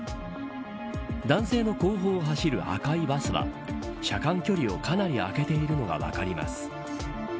男性の後方を走る赤いバスは車間距離をかなり空けているのが分かります。